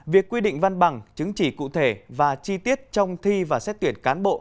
việc quy định văn bằng chứng chỉ cụ thể và chi tiết trong thi và xét tuyển cán bộ